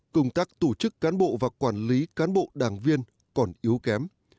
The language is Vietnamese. công tác tổ chức cán bộ và quản lý cán bộ đảng viên còn yếu kém